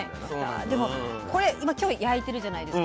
でもこれ今今日焼いてるじゃないですか。